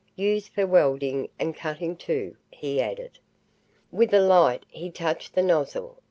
"Used for welding and cutting, too," he added. With a light he touched the nozzle.